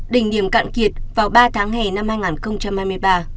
đỉnh điểm cạn kiệt vào ba tháng hè năm hai nghìn hai mươi ba